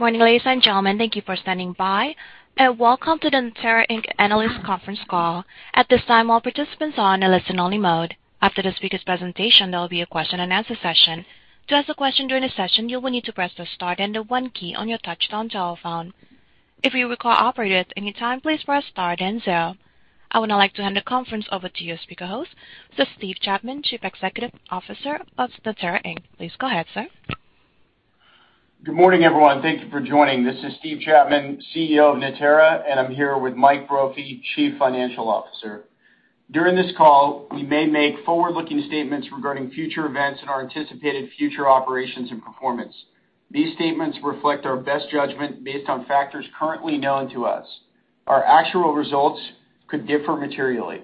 Good morning, ladies and gentlemen. Thank you for standing by, and welcome to the Natera Inc. analyst conference call. At this time, all participants are on a listen only mode. After the speaker's presentation, there will be a question and answer session. To ask a question during the session, you will need to press the star then the one key on your touch-tone telephone. If you require operator at any time, please press star then zero. I would now like to hand the conference over to your speaker host, Mr. Steve Chapman, Chief Executive Officer of Natera Inc. Please go ahead, sir. Good morning, everyone. Thank you for joining. This is Steve Chapman, CEO of Natera, and I'm here with Mike Brophy, Chief Financial Officer. During this call, we may make forward-looking statements regarding future events and our anticipated future operations and performance. These statements reflect our best judgment based on factors currently known to us. Our actual results could differ materially.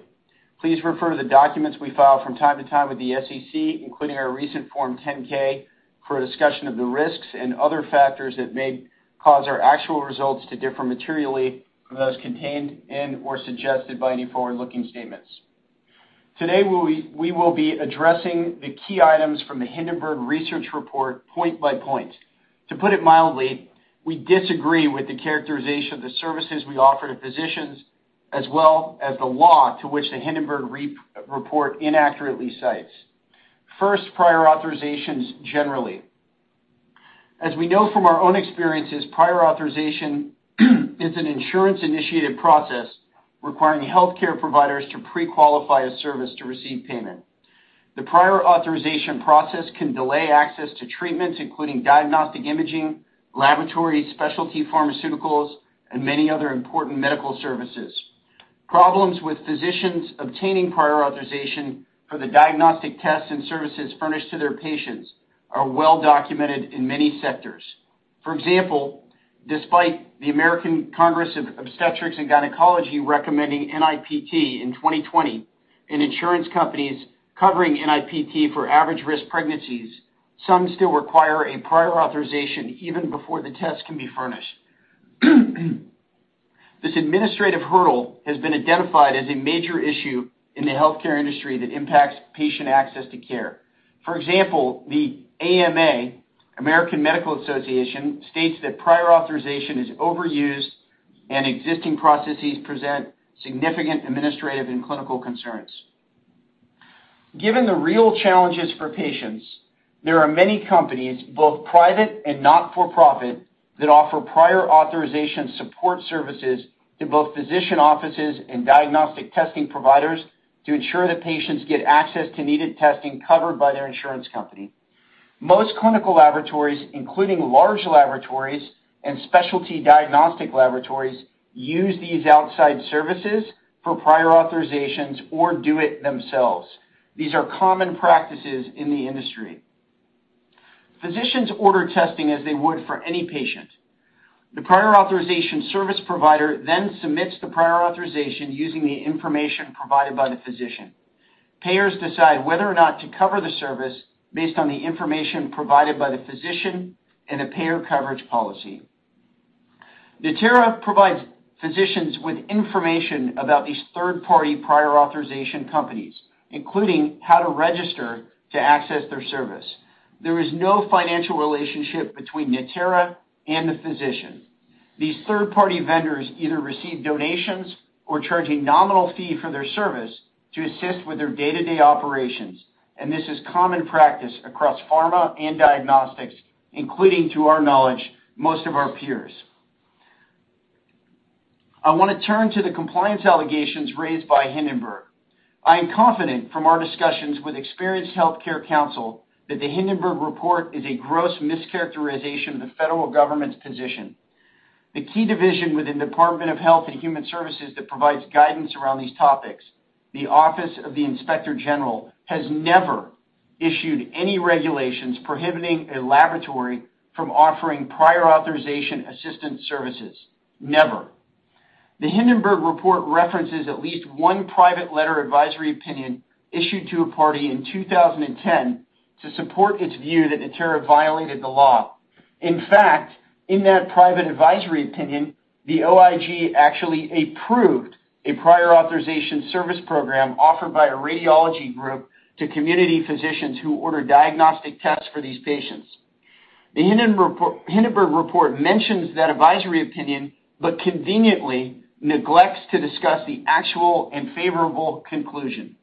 Please refer to the documents we file from time to time with the SEC, including our recent Form 10-K, for a discussion of the risks and other factors that may cause our actual results to differ materially from those contained in or suggested by any forward-looking statements. Today, we will be addressing the key items from the Hindenburg Research report point by point. To put it mildly, we disagree with the characterization of the services we offer to physicians as well as the law to which the Hindenburg report inaccurately cites. First, prior authorizations generally. As we know from our own experiences, prior authorization is an insurance-initiated process requiring healthcare providers to pre-qualify a service to receive payment. The prior authorization process can delay access to treatments, including diagnostic imaging, laboratory specialty pharmaceuticals, and many other important medical services. Problems with physicians obtaining prior authorization for the diagnostic tests and services furnished to their patients are well documented in many sectors. For example, despite the American College of Obstetricians and Gynecologists recommending NIPT in 2020 and insurance companies covering NIPT for average risk pregnancies, some still require a prior authorization even before the test can be furnished. This administrative hurdle has been identified as a major issue in the healthcare industry that impacts patient access to care. For example, the AMA, American Medical Association, states that prior authorization is overused and existing processes present significant administrative and clinical concerns. Given the real challenges for patients, there are many companies, both private and not-for-profit, that offer prior authorization support services to both physician offices and diagnostic testing providers to ensure that patients get access to needed testing covered by their insurance company. Most clinical laboratories, including large laboratories and specialty diagnostic laboratories, use these outside services for prior authorizations or do it themselves. These are common practices in the industry. Physicians order testing as they would for any patient. The prior authorization service provider then submits the prior authorization using the information provided by the physician. Payers decide whether or not to cover the service based on the information provided by the physician and the payer coverage policy. Natera provides physicians with information about these third-party prior authorization companies, including how to register to access their service. There is no financial relationship between Natera and the physician. These third-party vendors either receive donations or charge a nominal fee for their service to assist with their day-to-day operations, and this is common practice across pharma and diagnostics, including, to our knowledge, most of our peers. I want to turn to the compliance allegations raised by Hindenburg. I am confident from our discussions with experienced healthcare counsel that the Hindenburg report is a gross mischaracterization of the federal government's position. The key division within the Department of Health and Human Services that provides guidance around these topics, the Office of the Inspector General, has never issued any regulations prohibiting a laboratory from offering prior authorization assistance services. Never. The Hindenburg report references at least one private letter advisory opinion issued to a party in 2010 to support its view that Natera violated the law. In fact, in that private advisory opinion, the OIG actually approved a prior authorization service program offered by a radiology group to community physicians who order diagnostic tests for these patients. The Hindenburg report mentions that advisory opinion but conveniently neglects to discuss the actual and favorable conclusion.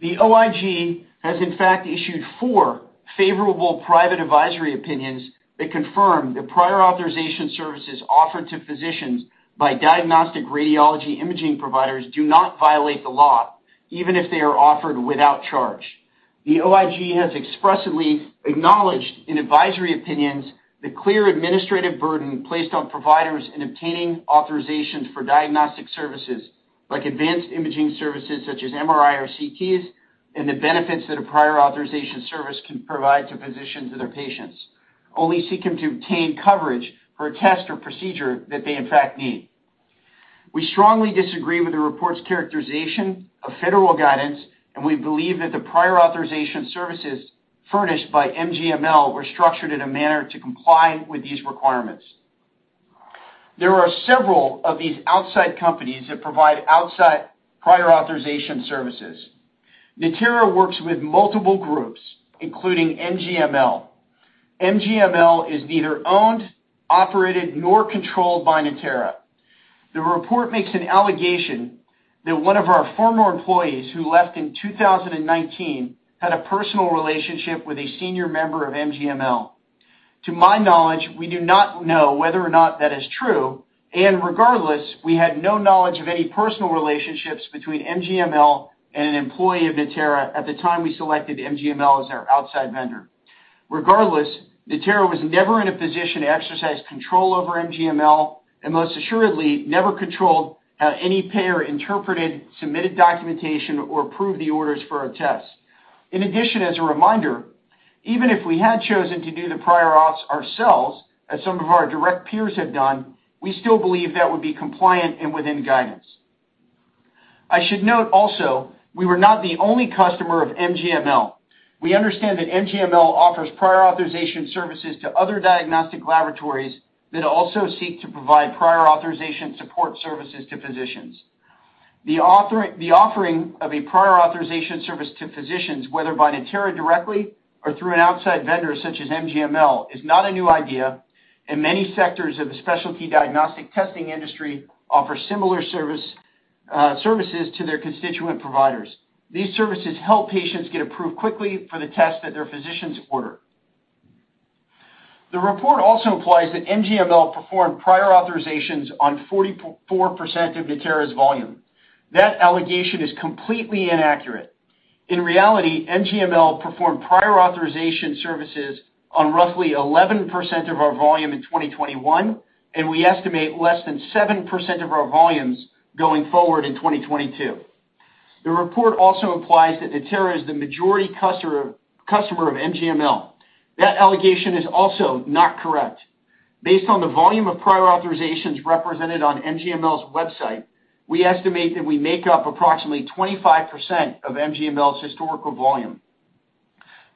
The OIG has in fact issued four favorable private advisory opinions that confirm that prior authorization services offered to physicians by diagnostic radiology imaging providers do not violate the law, even if they are offered without charge. The OIG has expressively acknowledged in advisory opinions the clear administrative burden placed on providers in obtaining authorizations for diagnostic services like advanced imaging services such as MRI or CTs, and the benefits that a prior authorization service can provide to physicians and their patients only seeking to obtain coverage for a test or procedure that they in fact need. We strongly disagree with the report's characterization of federal guidance, and we believe that the prior authorization services furnished by MGML were structured in a manner to comply with these requirements. There are several of these outside companies that provide outside prior authorization services. Natera works with multiple groups, including MGML. MGML is neither owned, operated, nor controlled by Natera. The report makes an allegation that one of our former employees, who left in 2019, had a personal relationship with a senior member of MGML. To my knowledge, we do not know whether or not that is true, and regardless, we had no knowledge of any personal relationships between MGML and an employee of Natera at the time we selected MGML as our outside vendor. Regardless, Natera was never in a position to exercise control over MGML, and most assuredly never controlled how any payer interpreted submitted documentation or approved the orders for our tests. In addition, as a reminder, even if we had chosen to do the prior auths ourselves, as some of our direct peers have done, we still believe that would be compliant and within guidance. I should note also, we were not the only customer of MGML. We understand that MGML offers prior authorization services to other diagnostic laboratories that also seek to provide prior authorization support services to physicians. The offering of a prior authorization service to physicians, whether by Natera directly or through an outside vendor such as MGML, is not a new idea, and many sectors of the specialty diagnostic testing industry offer similar services to their constituent providers. These services help patients get approved quickly for the tests that their physicians order. The report also implies that MGML performed prior authorizations on 44% of Natera's volume. That allegation is completely inaccurate. In reality, MGML performed prior authorization services on roughly 11% of our volume in 2021, and we estimate less than 7% of our volumes going forward in 2022. The report also implies that Natera is the majority customer of MGML. That allegation is also not correct. Based on the volume of prior authorizations represented on MGML's website, we estimate that we make up approximately 25% of MGML's historical volume.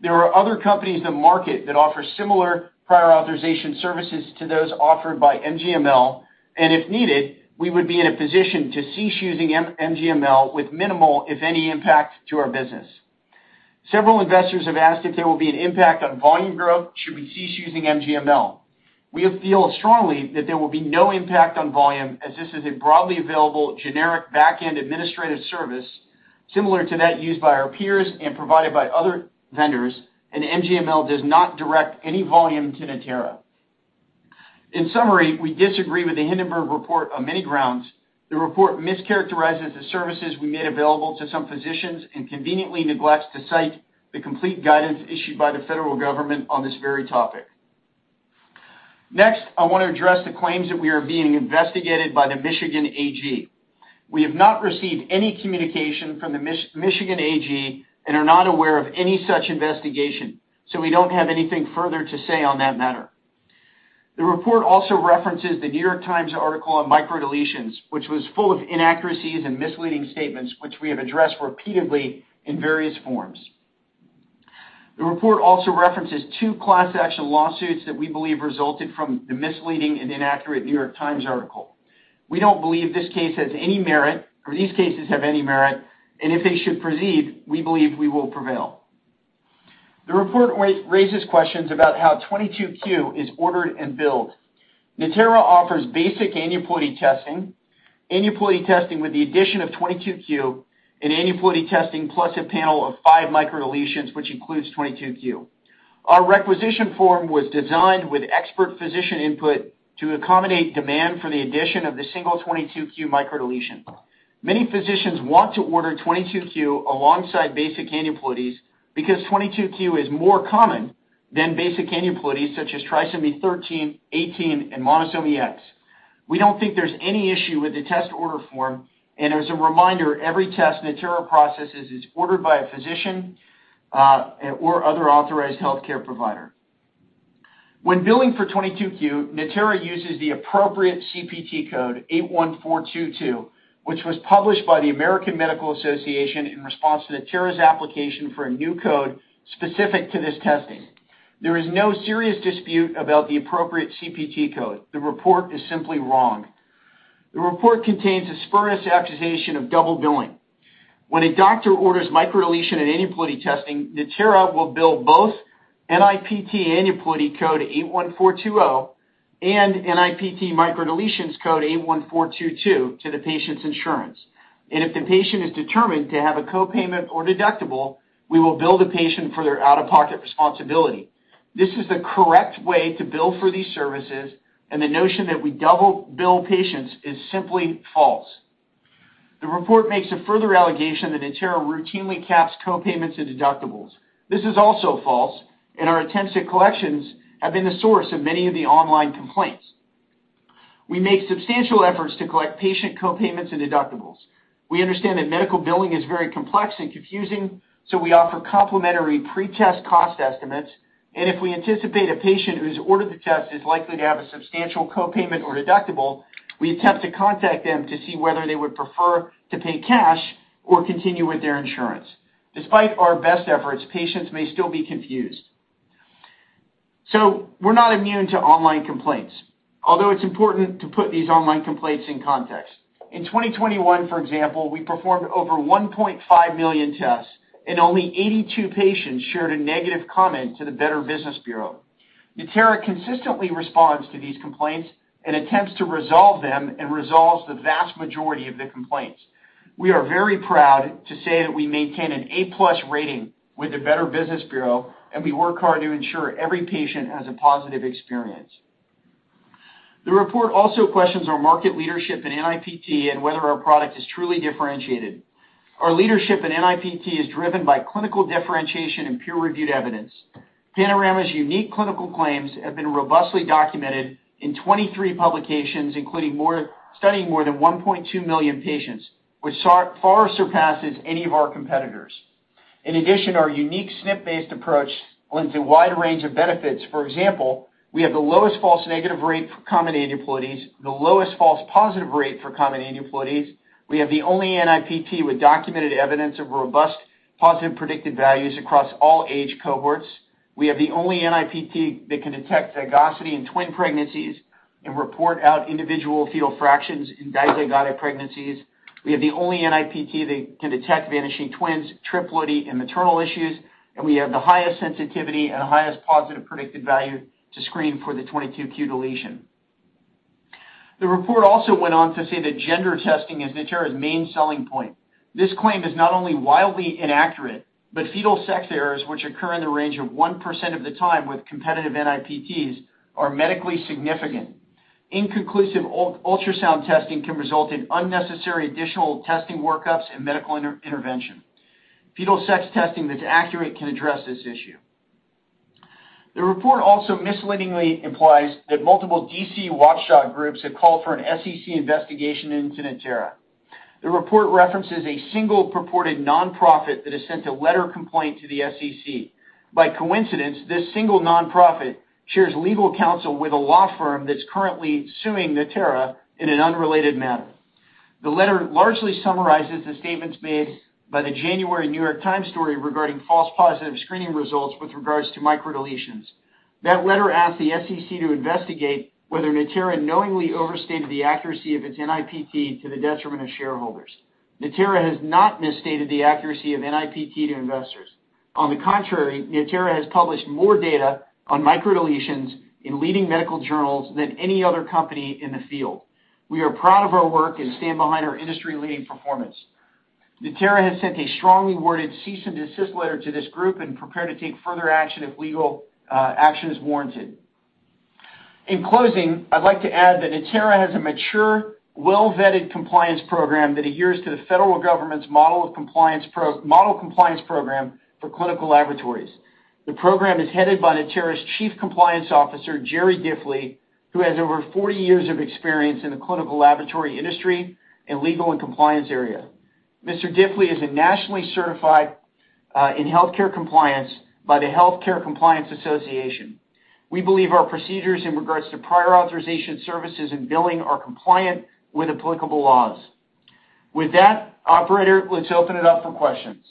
There are other companies in the market that offer similar prior authorization services to those offered by MGML, and if needed, we would be in a position to cease using MGML with minimal, if any, impact to our business. Several investors have asked if there will be an impact on volume growth should we cease using MGML. We feel strongly that there will be no impact on volume, as this is a broadly available generic back-end administrative service, similar to that used by our peers and provided by other vendors, and MGML does not direct any volume to Natera. In summary, we disagree with the Hindenburg report on many grounds. The report mischaracterizes the services we made available to some physicians and conveniently neglects to cite the complete guidance issued by the federal government on this very topic. Next, I want to address the claims that we are being investigated by the Michigan AG. We have not received any communication from the Michigan AG and are not aware of any such investigation, so we don't have anything further to say on that matter. The report also references the New York Times article on microdeletions, which was full of inaccuracies and misleading statements, which we have addressed repeatedly in various forms. The report also references two class action lawsuits that we believe resulted from the misleading and inaccurate New York Times article. We don't believe this case has any merit, or these cases have any merit, and if they should proceed, we believe we will prevail. The report raises questions about how 22q is ordered and billed. Natera offers basic aneuploidy testing, aneuploidy testing with the addition of 22q, and aneuploidy testing plus a panel of five microdeletions, which includes 22q. Our requisition form was designed with expert physician input to accommodate demand for the addition of the single 22q microdeletion. Many physicians want to order 22q alongside basic aneuploidies because 22q is more common than basic aneuploidies such as Trisomy 13, 18, and monosomy X. We don't think there's any issue with the test order form, and as a reminder, every test Natera processes is ordered by a physician or other authorized healthcare provider. When billing for 22q, Natera uses the appropriate CPT code, 81422, which was published by the American Medical Association in response to Natera's application for a new code specific to this testing. There is no serious dispute about the appropriate CPT code. The report is simply wrong. The report contains a spurious accusation of double billing. When a doctor orders microdeletion and aneuploidy testing, Natera will bill both NIPT aneuploidy code 81420 and NIPT microdeletions code 81422 to the patient's insurance. If the patient is determined to have a co-payment or deductible, we will bill the patient for their out-of-pocket responsibility. This is the correct way to bill for these services, and the notion that we double bill patients is simply false. The report makes a further allegation that Natera routinely caps co-payments and deductibles. This is also false, and our attempts at collections have been the source of many of the online complaints. We make substantial efforts to collect patient co-payments and deductibles. We understand that medical billing is very complex and confusing, so we offer complimentary pre-test cost estimates, and if we anticipate a patient who's ordered the test is likely to have a substantial co-payment or deductible, we attempt to contact them to see whether they would prefer to pay cash or continue with their insurance. Despite our best efforts, patients may still be confused. We're not immune to online complaints, although it's important to put these online complaints in context. In 2021, for example, we performed over 1.5 million tests, and only 82 patients shared a negative comment to the Better Business Bureau. Natera consistently responds to these complaints and attempts to resolve them and resolves the vast majority of the complaints. We are very proud to say that we maintain an A+ rating with the Better Business Bureau, and we work hard to ensure every patient has a positive experience. The report also questions our market leadership in NIPT and whether our product is truly differentiated. Our leadership in NIPT is driven by clinical differentiation and peer-reviewed evidence. Panorama's unique clinical claims have been robustly documented in 23 publications, including studying more than 1.2 million patients, which far, far surpasses any of our competitors. In addition, our unique SNP-based approach lends a wide range of benefits. For example, we have the lowest false negative rate for common aneuploidies, the lowest false positive rate for common aneuploidies. We have the only NIPT with documented evidence of robust positive predictive values across all age cohorts. We have the only NIPT that can detect zygosity in twin pregnancies and report out individual fetal fractions in dizygotic pregnancies. We have the only NIPT that can detect vanishing twins, triploidy, and maternal issues, and we have the highest sensitivity and the highest positive predictive value to screen for the 22q deletion. The report also went on to say that gender testing is Natera's main selling point. This claim is not only wildly inaccurate, but fetal sex errors which occur in the range of 1% of the time with competitive NIPTs are medically significant. Inconclusive ultrasound testing can result in unnecessary additional testing workups and medical inter-intervention. Fetal sex testing that's accurate can address this issue. The report also misleadingly implies that multiple D.C. watchdog groups have called for an SEC investigation into Natera. The report references a single purported nonprofit that has sent a letter complaint to the SEC. By coincidence, this single nonprofit shares legal counsel with a law firm that's currently suing Natera in an unrelated manner. The letter largely summarizes the statements made by the January New York Times story regarding false positive screening results with regards to microdeletions. That letter asked the SEC to investigate whether Natera knowingly overstated the accuracy of its NIPT to the detriment of shareholders. Natera has not misstated the accuracy of NIPT to investors. On the contrary, Natera has published more data on microdeletions in leading medical journals than any other company in the field. We are proud of our work and stand behind our industry-leading performance. Natera has sent a strongly worded cease and desist letter to this group and prepared to take further action if legal action is warranted. In closing, I'd like to add that Natera has a mature, well-vetted compliance program that adheres to the federal government's Model Compliance Program for Clinical Laboratories. The program is headed by Natera's Chief Compliance Officer, Jerry Diffley, who has over forty years of experience in the clinical laboratory industry and legal and compliance area. Mr. Diffley is a nationally certified in healthcare compliance by the Health Care Compliance Association. We believe our procedures in regards to prior authorization services and billing are compliant with applicable laws. With that, operator, let's open it up for questions.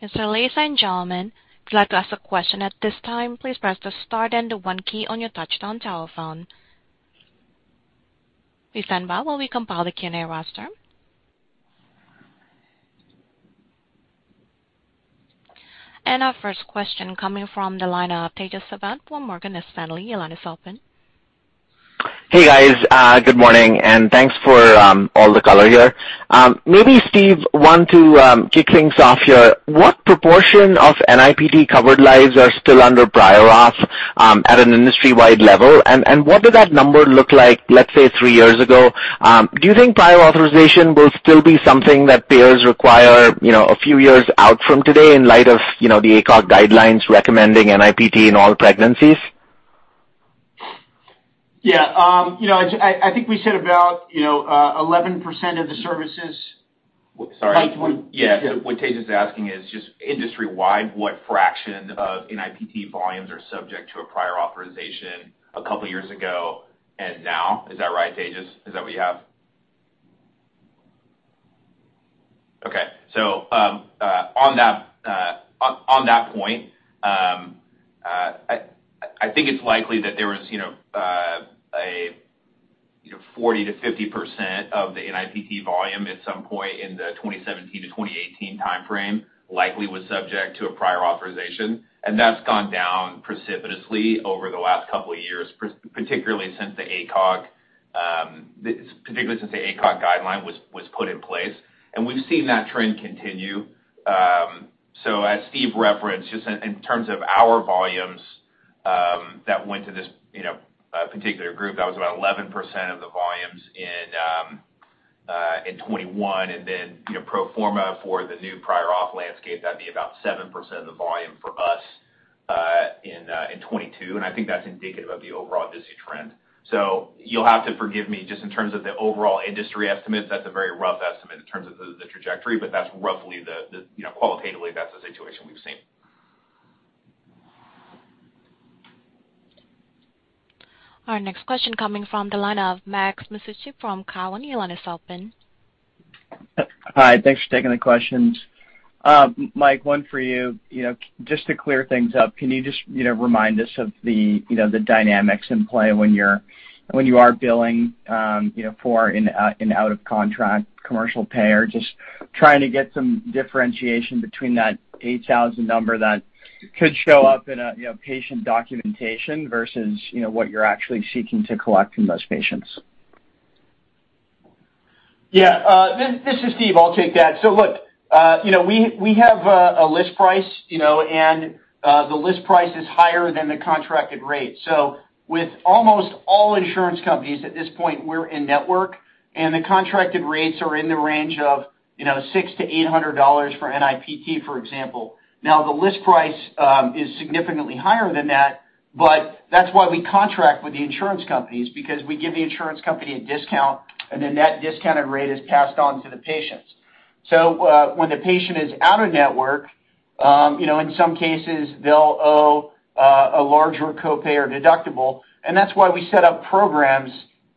Yes, sir. Ladies and gentlemen, if you'd like to ask a question at this time, please press the star then the one key on your touch-tone telephone. Please stand by while we compile the Q&A roster. Our first question coming from the line of Tejas Savant at Morgan Stanley. Your line is open. Hey, guys, good morning, and thanks for all the color here. Maybe Steve wants to kick things off here, what proportion of NIPT-covered lives are still under prior auth at an industry-wide level? And what did that number look like, let's say, three years ago? Do you think prior authorization will still be something that payers require, you know, a few years out from today in light of, you know, the ACOG guidelines recommending NIPT in all pregnancies? Yeah, you know, I think we said about, you know, 11% of the services. Sorry. Yeah. What Tejas is asking is just industry-wide, what fraction of NIPT volumes are subject to a prior authorization a couple years ago and now? Is that right, Tejas? Is that what you have? Okay. On that point, I think it's likely that there was you know a 40%-50% of the NIPT volume at some point in the 2017-2018 timeframe likely was subject to a prior authorization, and that's gone down precipitously over the last couple of years, particularly since the ACOG guideline was put in place. We've seen that trend continue. As Steve referenced, just in terms of our volumes, that went to this, you know, particular group, that was about 11% of the volumes in 2021. Then, you know, pro forma for the new prior auth landscape, that'd be about 7% of the volume from us in 2022, and I think that's indicative of the overall industry trend. You'll have to forgive me just in terms of the overall industry estimate. That's a very rough estimate in terms of the trajectory, but that's roughly the, you know, qualitatively, that's the situation we've seen. Our next question coming from the line of Max Masucci from Cowen. Your line is open. Hi. Thanks for taking the questions. Mike, one for you. You know, just to clear things up, can you just, you know, remind us of the dynamics in play when you are billing, you know, for an out-of-contract commercial payer? Just trying to get some differentiation between that $8,000 number that could show up in a, you know, patient documentation versus, you know, what you're actually seeking to collect from those patients. Yeah. This is Steve. I'll take that. Look, you know, we have a list price, you know, and the list price is higher than the contracted rate. With almost all insurance companies at this point, we're in-network, and the contracted rates are in the range of, you know, $600-$800 for NIPT, for example. Now, the list price is significantly higher than that, but that's why we contract with the insurance companies because we give the insurance company a discount and the net discounted rate is passed on to the patients. When the patient is out-of-network, you know, in some cases they'll owe a larger copay or deductible, and that's why we set up programs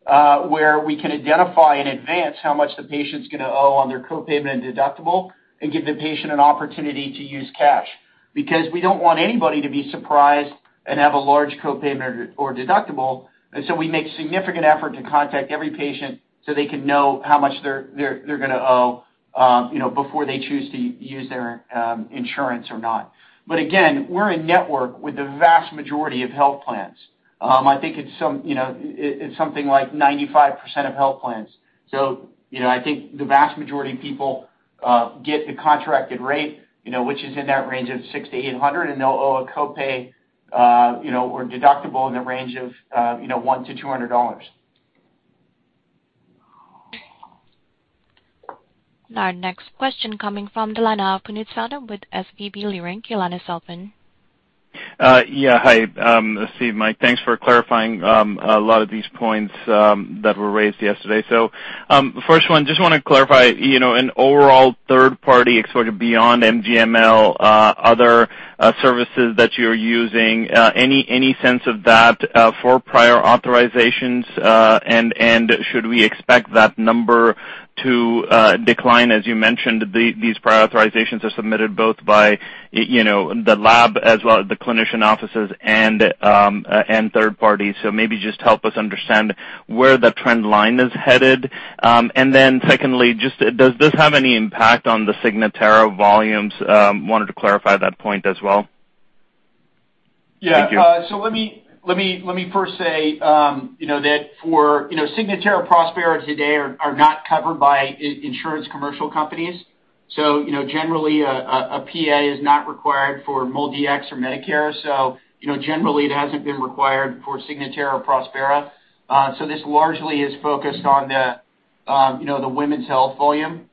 where we can identify in advance how much the patient's gonna owe on their co-payment and deductible and give the patient an opportunity to use cash. Because we don't want anybody to be surprised and have a large co-payment or deductible. We make significant effort to contact every patient so they can know how much they're gonna owe, you know, before they choose to use their insurance or not. But again, we're in-network with the vast majority of health plans. I think it's something like 95% of health plans. You know, I think the vast majority of people get the contracted rate, you know, which is in that range of $600-$800, and they'll owe a copay, you know, or deductible in the range of $100-$200 dollars. Our next question coming from the line of Puneet Souda with SVB Leerink. Your line is open. Yeah. Hi, Steve, Mike, thanks for clarifying a lot of these points that were raised yesterday. First one, just wanna clarify, you know, an overall third party sort of beyond MGML, other services that you're using, any sense of that for prior authorizations, and should we expect that number to decline? As you mentioned, these prior authorizations are submitted both by, you know, the lab as well as the clinician offices and third parties. Maybe just help us understand where the trend line is headed. Secondly, just does this have any impact on the Signatera volumes? Wanted to clarify that point as well. Yeah. Thank you. Let me first say, you know, that Signatera, Prospera today are not covered by commercial insurance companies. You know, generally a PA is not required for Medicaid or Medicare. You know, generally it hasn't been required for Signatera Prospera. This largely is focused on you know the women's health volume.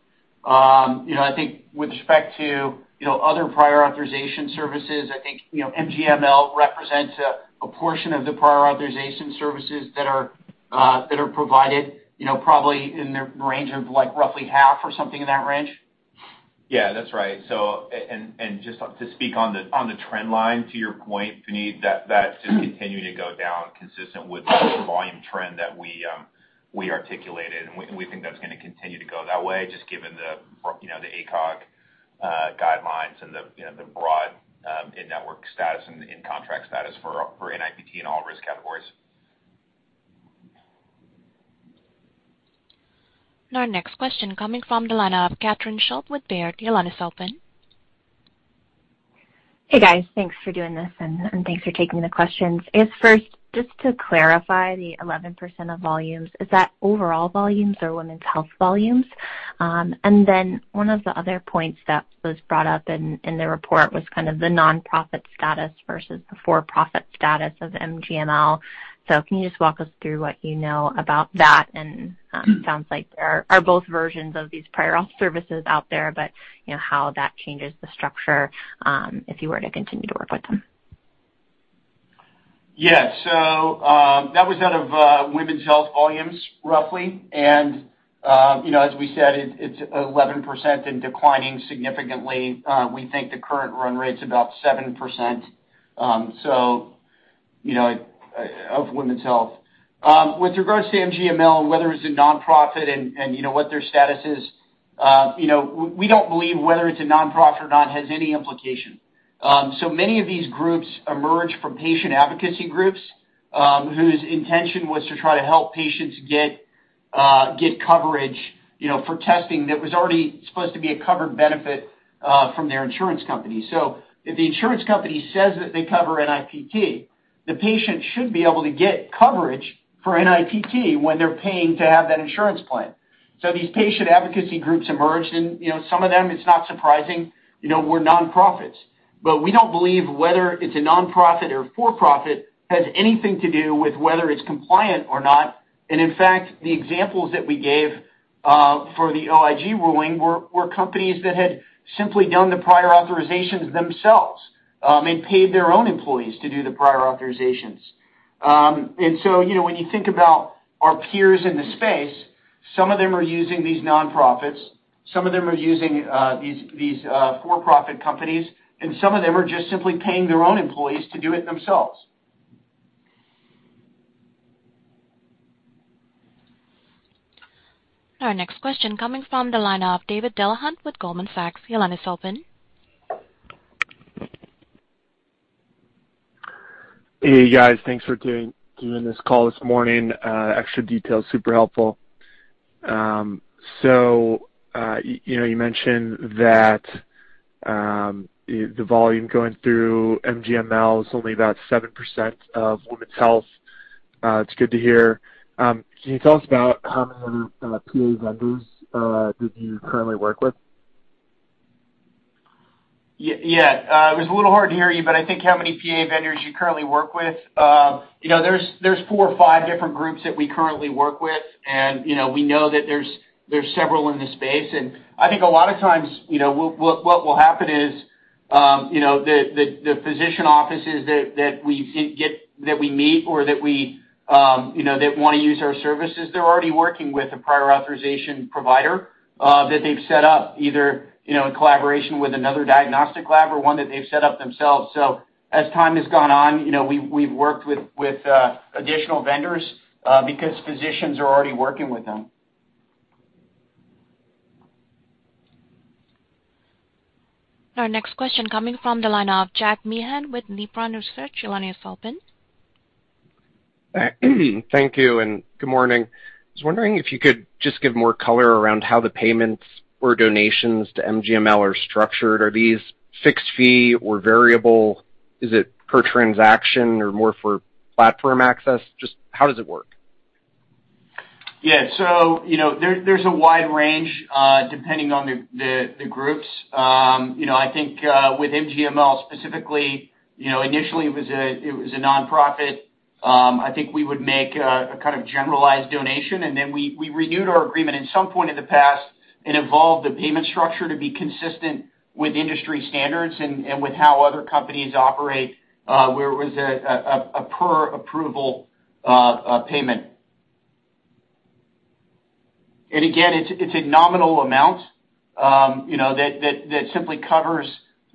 You know, I think with respect to you know other prior authorization services, I think you know MGML represents a portion of the prior authorization services that are provided, you know, probably in the range of like roughly half or something in that range. Yeah, that's right. And just to speak on the trend line to your point, Puneet, that's just continuing to go down consistent with the volume trend that we articulated, and we think that's gonna continue to go that way just given you know, the ACOG guidelines and you know, the broad in-network status and in-contract status for NIPT in all risk categories. Our next question coming from the line of Catherine Schulte with Baird. Your line is open. Hey, guys. Thanks for doing this and thanks for taking the questions. First, just to clarify the 11% of volumes, is that overall volumes or women's health volumes? One of the other points that was brought up in the report was kind of the nonprofit status versus the for-profit status of MGML. Can you just walk us through what you know about that? Sounds like there are both versions of these prior auth services out there, but you know how that changes the structure, if you were to continue to work with them. Yeah. That was out of women's health volumes, roughly. You know, as we said, it's 11% and declining significantly. We think the current run rate's about 7%, you know, of women's health. With regards to MGML and whether it's a nonprofit and what their status is, you know, we don't believe whether it's a nonprofit or not has any implication. Many of these groups emerge from patient advocacy groups, whose intention was to try to help patients get coverage, you know, for testing that was already supposed to be a covered benefit from their insurance company. If the insurance company says that they cover NIPT, the patient should be able to get coverage for NIPT when they're paying to have that insurance plan. These patient advocacy groups emerged and, you know, some of them, it's not surprising, you know, were nonprofits. We don't believe whether it's a nonprofit or for-profit has anything to do with whether it's compliant or not. In fact, the examples that we gave for the OIG ruling were companies that had simply done the prior authorizations themselves and paid their own employees to do the prior authorizations. When you think about our peers in the space, some of them are using these nonprofits, some of them are using these for-profit companies, and some of them are just simply paying their own employees to do it themselves. Our next question coming from the line of David Delahunt with Goldman Sachs. Your line is open. Hey, guys. Thanks for doing this call this morning. Extra detail. Super helpful. You know, you mentioned that the volume going through MGML is only about 7% of Women's Health. It's good to hear. Can you tell us about how many PA vendors do you currently work with? Yeah. It was a little hard to hear you, but I think how many PA vendors you currently work with. You know, there's four or five different groups that we currently work with. You know, we know that there's several in this space. I think a lot of times, you know, what will happen is, you know, the physician offices that we meet or that we, you know, that wanna use our services, they're already working with a prior authorization provider that they've set up either, you know, in collaboration with another diagnostic lab or one that they've set up themselves. As time has gone on, you know, we've worked with additional vendors because physicians are already working with them. Our next question coming from the line of Jack Meehan with Nephron Research. Your line is open. Thank you and good morning. I was wondering if you could just give more color around how the payments or donations to MGML are structured. Are these fixed fee or variable? Is it per transaction or more for platform access? Just how does it work? Yeah. You know, there's a wide range depending on the groups. I think with MGML specifically, you know, initially it was a nonprofit. I think we would make a kind of generalized donation, and then we renewed our agreement. At some point in the past, it involved the payment structure to be consistent with industry standards and with how other companies operate, where it was a per approval payment. Again, it's a nominal amount, you know, that simply covers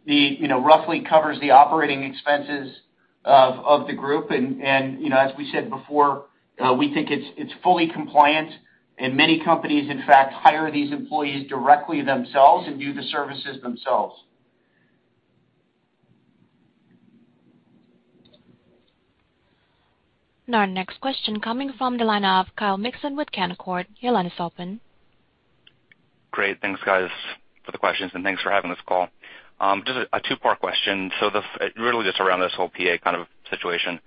the, you know, roughly covers the operating expenses of the group. You know, as we said before, we think it's fully compliant, and many companies, in fact, hire these employees directly themselves and do the services themselves. Our next question coming from the line of Kyle Mikson with Canaccord. Your line is open. Great. Thanks, guys for the questions, and thanks for having this call. Just a two-part question. Literally just around this whole PA kind of situation.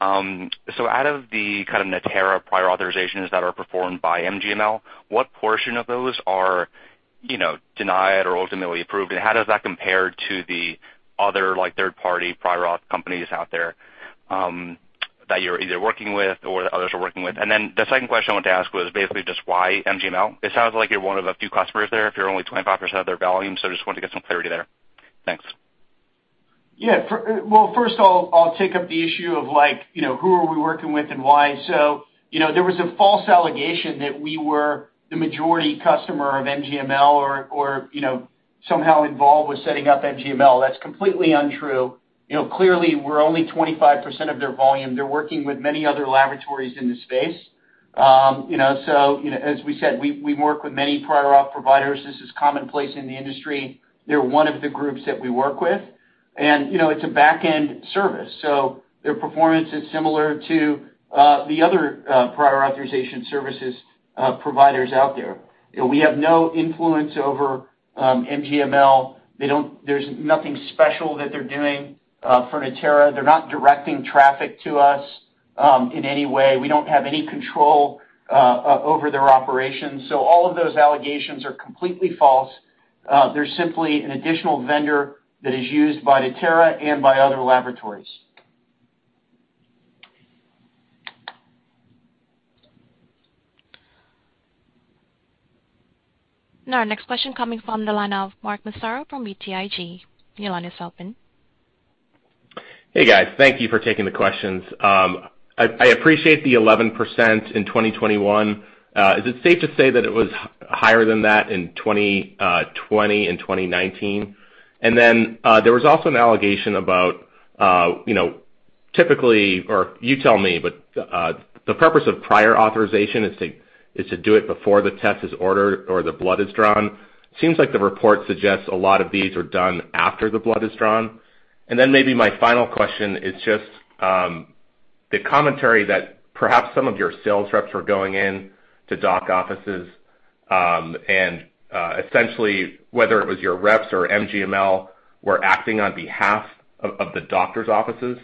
Out of the kind of Natera prior authorizations that are performed by MGML, what portion of those are, you know, denied or ultimately approved? And how does that compare to the other, like, third-party prior auth companies out there, that you're either working with or others are working with? The second question I want to ask was basically just why MGML? It sounds like you're one of a few customers there, if you're only 25% of their volume. Just wanted to get some clarity there. Thanks. Well, first of all, I'll take up the issue of like, you know, who are we working with and why. You know, there was a false allegation that we were the majority customer of MGML or, you know, somehow involved with setting up MGML. That's completely untrue. You know, clearly we're only 25% of their volume. They're working with many other laboratories in the space. You know, as we said, we work with many prior auth providers. This is commonplace in the industry. They're one of the groups that we work with. You know, it's a back-end service, so their performance is similar to the other prior authorization services providers out there. We have no influence over MGML. They don't. There's nothing special that they're doing for Natera. They're not directing traffic to us in any way. We don't have any control over their operations. All of those allegations are completely false. They're simply an additional vendor that is used by Natera and by other laboratories. Our next question coming from the line of Mark Massaro from BTIG. Your line is open. Hey, guys. Thank you for taking the questions. I appreciate the 11% in 2021. Is it safe to say that it was higher than that in 2020 and 2019? There was also an allegation about, you know, typically or you tell me, but the purpose of prior authorization is to do it before the test is ordered or the blood is drawn. Seems like the report suggests a lot of these are done after the blood is drawn. Maybe my final question is just the commentary that perhaps some of your sales reps were going in to doc offices, and essentially, whether it was your reps or MGML were acting on behalf of the doctor's offices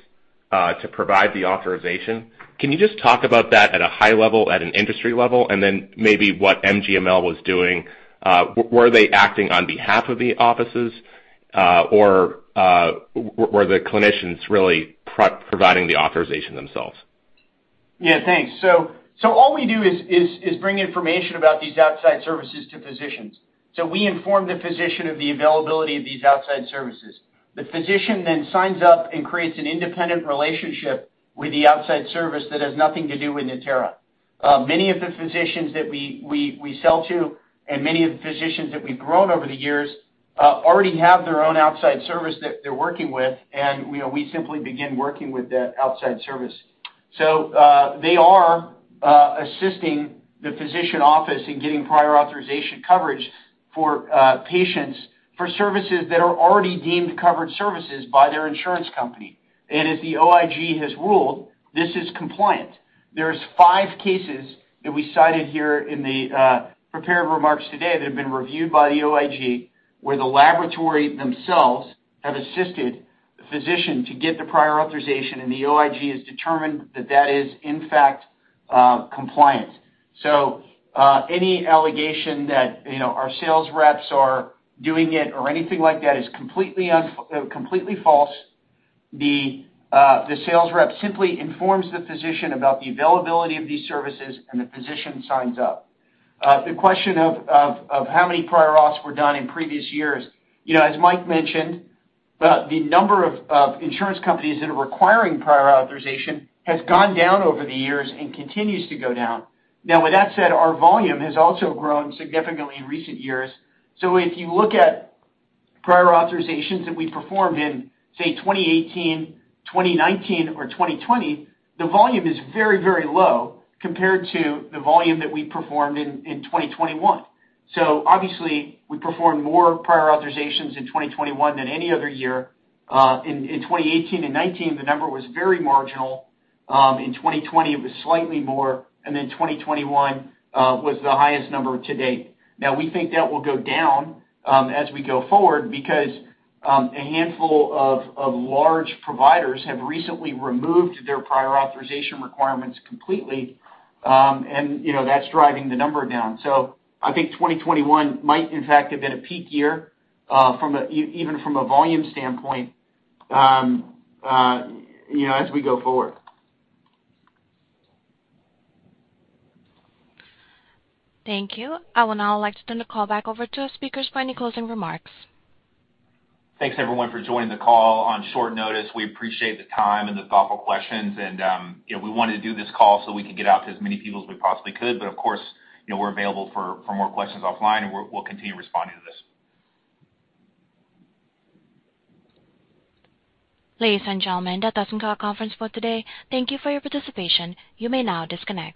to provide the authorization. Can you just talk about that at a high level, at an industry level, and then maybe what MGML was doing? Were they acting on behalf of the offices, or were the clinicians really providing the authorization themselves? Yeah, thanks. So all we do is bring information about these outside services to physicians. We inform the physician of the availability of these outside services. The physician then signs up and creates an independent relationship with the outside service that has nothing to do with Natera. Many of the physicians that we sell to and many of the physicians that we've grown over the years already have their own outside service that they're working with, and you know, we simply begin working with that outside service. So they are assisting the physician office in getting prior authorization coverage for patients for services that are already deemed covered services by their insurance company. As the OIG has ruled, this is compliant. There's five cases that we cited here in the prepared remarks today that have been reviewed by the OIG, where the laboratory themselves have assisted the physician to get the prior authorization, and the OIG has determined that that is, in fact, compliant. Any allegation that, you know, our sales reps are doing it or anything like that is completely false. The sales rep simply informs the physician about the availability of these services, and the physician signs up. The question of how many prior auths were done in previous years. You know, as Mike mentioned, the number of insurance companies that are requiring prior authorization has gone down over the years and continues to go down. Now, with that said, our volume has also grown significantly in recent years. If you look at prior authorizations that we performed in, say, 2018, 2019 or 2020, the volume is very, very low compared to the volume that we performed in 2021. Obviously we performed more prior authorizations in 2021 than any other year. In 2018 and 2019, the number was very marginal. In 2020 it was slightly more, and then 2021 was the highest number to date. Now we think that will go down as we go forward because a handful of large providers have recently removed their prior authorization requirements completely. You know, that's driving the number down. I think 2021 might in fact have been a peak year, even from a volume standpoint as we go forward. Thank you. I would now like to turn the call back over to our speakers for any closing remarks. Thanks everyone for joining the call on short notice. We appreciate the time and the thoughtful questions and, you know, we wanted to do this call so we could get out to as many people as we possibly could. Of course, you know, we're available for more questions offline and we'll continue responding to this. Ladies and gentlemen, that does end our conference call today. Thank you for your participation. You may now disconnect.